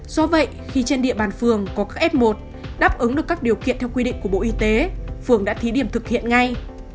do vậy khi trên địa bàn phường có các f một đáp ứng được các điều kiện theo quy định của bộ y tế phường đã thí điểm thực hiện ngay